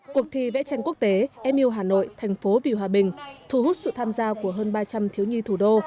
cuộc thi vẽ tranh quốc tế em yêu hà nội thành phố vì hòa bình thu hút sự tham gia của hơn ba trăm linh thiếu nhi thủ đô